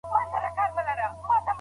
د ناروغیو راپور ورکول ولي مهم دي؟